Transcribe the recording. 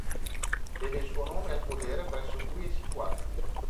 Deve il suo nome al podere presso cui è situata.